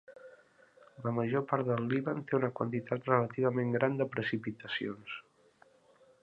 La major part del Líban té una quantitat relativament gran de precipitacions.